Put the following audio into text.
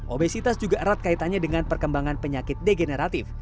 obesitas juga erat kaitannya dengan perkembangan penyakit degeneratif